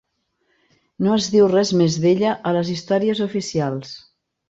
No es diu res més d'ella a les històries oficials.